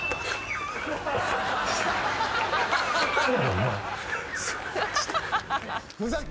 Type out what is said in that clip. お前。